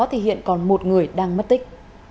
thì hiện còn một người đang mất tích